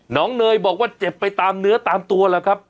หนองบอกว่าเจ็บไปตามเหนือตามตัวล่ะครับ